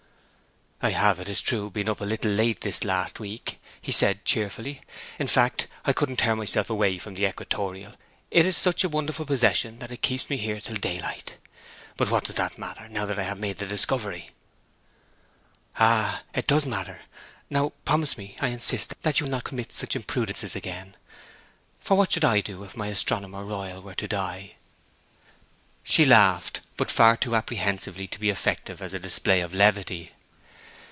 'I have, it is true, been up a little late this last week,' he said cheerfully. 'In fact, I couldn't tear myself away from the equatorial; it is such a wonderful possession that it keeps me there till daylight. But what does that matter, now I have made the discovery?' 'Ah, it does matter! Now, promise me I insist that you will not commit such imprudences again; for what should I do if my Astronomer Royal were to die?' She laughed, but far too apprehensively to be effective as a display of levity.